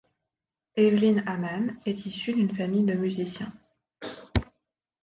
Evelyn Hamann est issue d'une famille de musiciens.